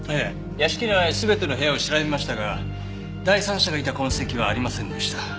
屋敷内全ての部屋を調べましたが第三者がいた痕跡はありませんでした。